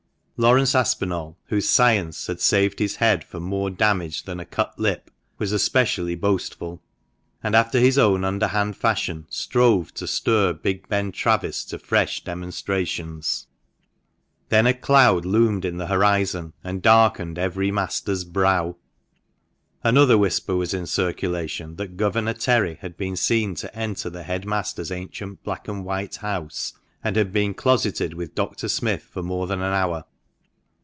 Laurence Aspinall, whose "science" had saved his head from more damage than a cut lip, was especially boastful ; and, after his own underhand fashion, strove to stir big Ben Travis to fresh demonstrations. Then a cloud loomed in the horizon and darkened every master's brow. Another whisper was in circulation that Governor Terry had been seen to enter the head master's ancient black and white old house, and had been closeted with Dr. Smith for more than an hour.